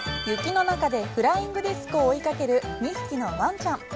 雪の中でフライングディスクを追いかける２匹のワンちゃん。